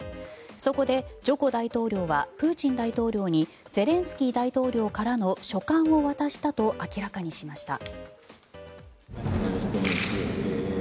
そこでジョコ大統領はプーチン大統領にゼレンスキー大統領からの書簡を渡したと明らかにしました。